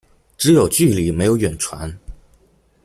只有距離沒有遠傳